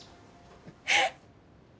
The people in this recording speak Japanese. えっ！